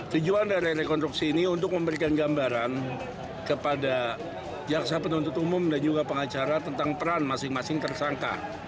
tujuan dari rekonstruksi ini untuk memberikan gambaran kepada jaksa penuntut umum dan juga pengacara tentang peran masing masing tersangka